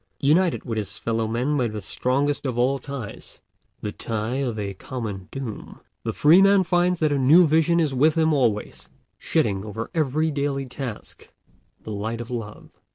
United with his fellow men by the strongest of all ties, the tie of a common doom, the free man finds that a new vision is with him always, shedding over every daily task the light of love.